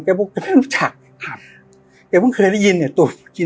ใกล้บูไม่รู้ชักค่ะเขาก็เพิ่งเคยได้ยินเนี่ยตัวนี่